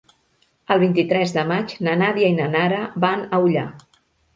El vint-i-tres de maig na Nàdia i na Nara van a Ullà.